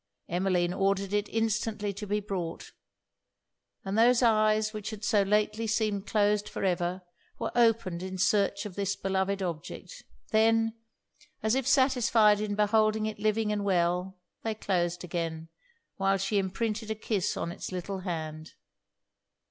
Emmeline ordered it instantly to be brought; and those eyes which had so lately seemed closed for ever, were opened in search of this beloved object: then, as if satisfied in beholding it living and well, they closed again, while she imprinted a kiss on it's little hand.